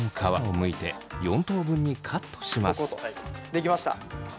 できました。